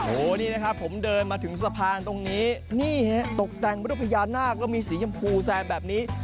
โอ้นี่นะครับผมเดินมาถึงสะพานตรงนี้นี่ตกแต่งวัตถุพยานาคแล้วมีสีชมพูแซ่มแบบนี้